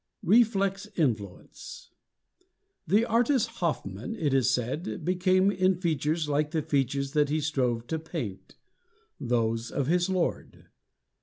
Reflex Influence The artist Hoffmann, it is said, became In features like the features that he strove To paint, those of his Lord.